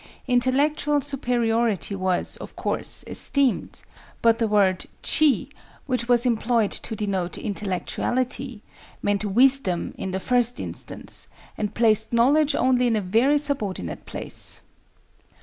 Intellectual superiority was, of course, esteemed; but the word Chi, which was employed to denote intellectuality, meant wisdom in the first instance and placed knowledge only in a very subordinate place.